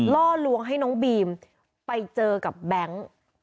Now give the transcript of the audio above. ล่อลวงให้น้องบีมไปเจอกับแบงค์